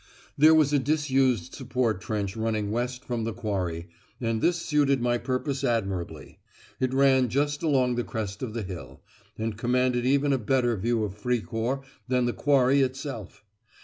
There was a disused support trench running west from the Quarry, and this suited my purpose admirably. It ran just along the crest of the hill, and commanded even a better view of Fricourt than the Quarry itself.